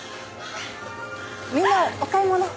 みんなお買い物？